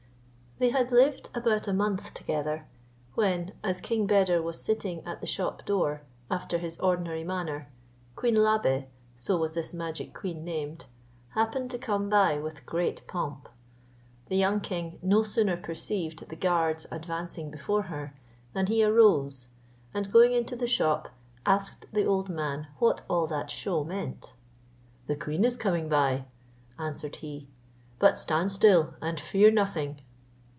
They had lived about a month together, when, as King Beder was sitting at the shop door, after his ordinary manner, Queen Labe (so was this magic queen named) happened to come by with great pomp. The young king no sooner perceived the guards advancing before her, than he arose, and going into the shop, asked the old man what all that show meant. "The queen is coming by," answered he, "but stand still and fear nothing."